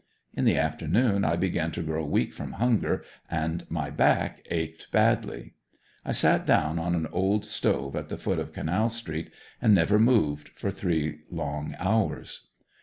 In the afternoon I began to grow weak from hunger and my back ached badly. I sat down on an old stove at the foot of Canal street and never moved for three long hours.